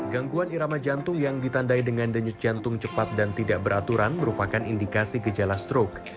gangguan irama jantung yang ditandai dengan denyut jantung cepat dan tidak beraturan merupakan indikasi gejala stroke